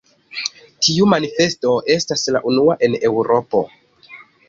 Tiu manifesto estas la unua en Eŭropo.